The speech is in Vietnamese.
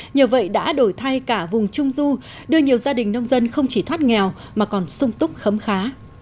nhờ vậy đã đổi thay cả vùng trung du đưa nhiều gia đình nông dân không chỉ thoát nghèo mà còn sung túc khấm khá